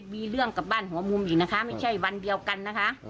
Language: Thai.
มีเรื่องกับบ้านหัวมุมอีกนะคะไม่ใช่วันเดียวกันนะคะ